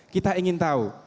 kita ingin tahu